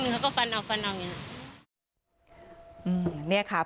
หนึ่งเขาก็ฟันออกฟันออกอย่างเงี้ยอืมเนี่ยค่ะ